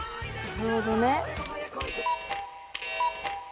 なるほどね。